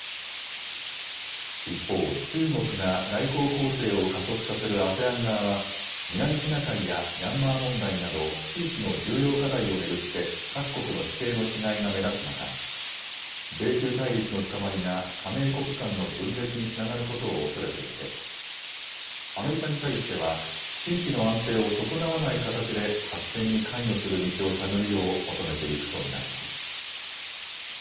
一方、中国が外交攻勢を加速させるＡＳＥＡＮ側は南シナ海やミャンマー問題など地域の重要課題を巡って各国の姿勢の違いが目立つ中、米中対立の深まりが加盟国間の分裂につながることを恐れていてアメリカに対しては地域の安定を損なわない形で発展に関与する道を探るよう求めていくと見られます。